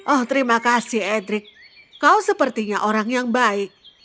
oh terima kasih edric kau sepertinya orang yang baik